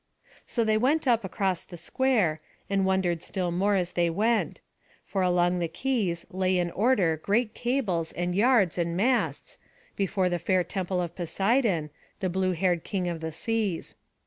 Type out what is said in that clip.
So they went up across the square, and wondered still more as they went; for along the quays lay in order great cables, and yards, and masts, before the fair temple of Poseidon, the blue haired king of the seas.